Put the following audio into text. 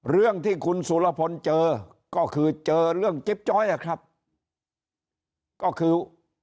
เรื่องที่คุณสุรพลเจอก็คือเจอเรื่องจิ๊บจ้อยอะครับก็คือ